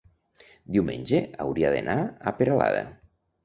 diumenge hauria d'anar a Peralada.